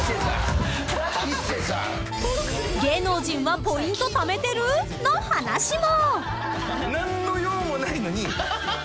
［芸能人はポイントためてる？の話も］